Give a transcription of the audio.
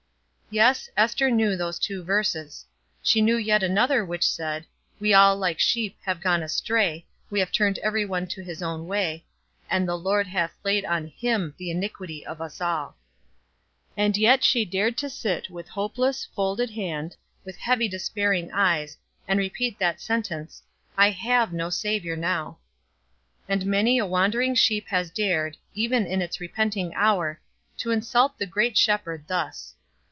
Yes, Ester knew those two verses. She knew yet another which said: "All we, like sheep, have gone astray. We have turned every one to his own way: and the Lord hath laid on him the iniquity of us all." And yet she dared to sit with hopeless, folded hand, with heavy despairing eyes, and repeat that sentence: "I have no Savior now." And many a wandering sheep has dared, even in its repenting hour, to insult the great Shepherd thus.